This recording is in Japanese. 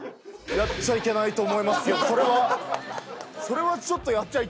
やっちゃいけないと思いますけどそれは！